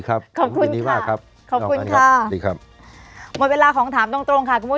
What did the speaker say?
ครับขอบคุณค่ะขอบคุณค่ะหมดเวลาของถามตรงค่ะคุณผู้